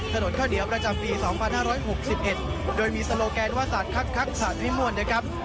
ถนนเข้าเหลียวประจำปี๒๕๖๑โดยมีโซโลแกนว่าสัตว์คักคักสัตว์ไม่ม่วนนะครับ